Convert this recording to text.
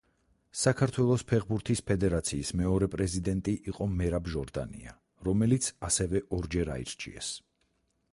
საქართველოს ფეხბურთის ფედერაციის მეორე პრეზიდენტი იყო მერაბ ჟორდანია, რომელიც ასევე ორჯერ აირჩიეს.